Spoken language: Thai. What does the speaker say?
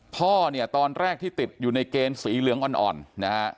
พ่อเนี่ยตอนแรกที่ติดอยู่ในเกณฑ์สีเหลืองอ่อนนะฮะ